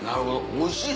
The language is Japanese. おいしい。